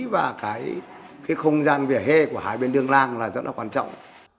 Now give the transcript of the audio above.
và cái không gian vỉa hê của hai bên đường làng là rất là quan trọng